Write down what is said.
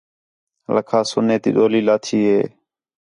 لکھاس سُنّے تی ڈولی لاتھی ہِے